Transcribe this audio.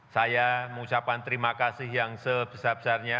saya mengucapkan terima kasih yang sebesar besarnya